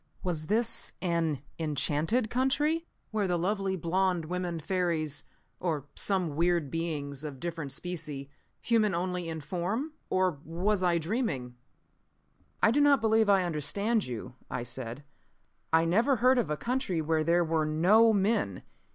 Was this an enchanted country? Where the lovely blonde women fairies or some weird beings of different specie, human only in form? Or was I dreaming? "I do not believe I understand you," I said. "I never heard of a country where there were no men.